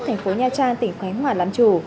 thành phố nha trang tỉnh khánh hòa làm chủ